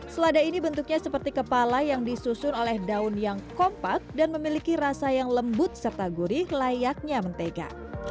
selada ini bentuknya seperti kepala yang disusun oleh daun yang kompak dan memiliki rasa yang lembut serta gurih layaknya mentega